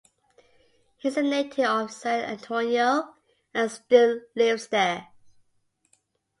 He is a native of San Antonio and still lives there.